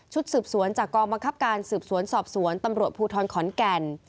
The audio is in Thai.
สืบสวนจากกองบังคับการสืบสวนสอบสวนตำรวจภูทรขอนแก่น